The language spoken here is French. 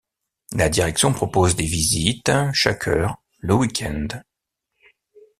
La direction propose des visites chaque heure le week-end.